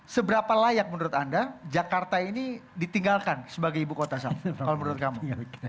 seberapa layak menurut anda jakarta ini ditinggalkan sebagai ibu kota kalau menurut kamu